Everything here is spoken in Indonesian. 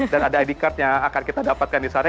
dan ada id card yang akan kita dapatkan di sana